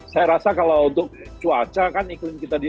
saya rasa kalau untuk cuaca kan iklim kita di asia tenggara kan gak jadi kendala